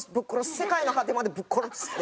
世界の果てまでぶっ殺す」って。